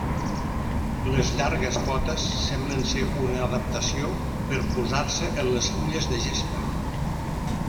Les llargues potes semblen ser una adaptació per a posar-se en les fulles de gespa.